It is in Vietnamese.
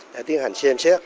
đã tiến hành xem xét